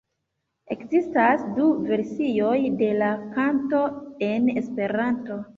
Ekzistas du versioj de la kanto en Esperanto.